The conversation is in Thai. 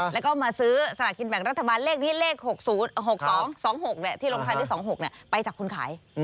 แล้วก็มาซื้อสลากินแบ่งรัฐบาลเลขที่ลงทางที่๒๖ไปจากคนขาย